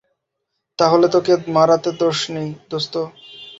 তাহলে তোকে মারাতে দোষ নেই, দোস্ত।